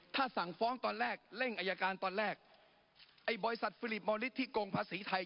ถ้าสั่งฟ้องตอนแรกเร่งอายการตอนแรกไอ้บริษัทฟิลิปมอลิสที่โกงภาษีไทย